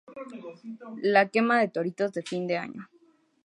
La quema de Toritos de Fin de Año.